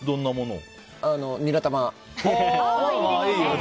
ニラ玉。